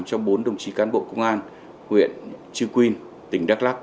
cho bốn đồng chí cán bộ công an huyện trương quyền tỉnh đắk lắc